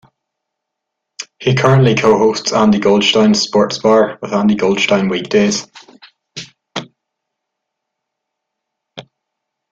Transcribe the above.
He currently co-hosts Andy Goldstein's Sports Bar with Andy Goldstein weekdays.